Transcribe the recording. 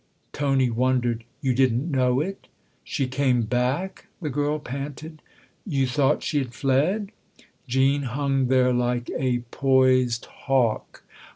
. Tony wondered. " You didn't know it ?"" She came back ?" the girl panted. " You thought she had fled ?" Jean hung there like a poised hawk.